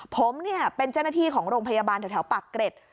ผมเนี่ยเป็นเจ้าหน้าที่ของโรงพยาบาลแถวปากเกร็ด